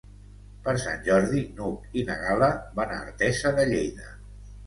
Per Sant Jordi n'Hug i na Gal·la van a Artesa de Lleida.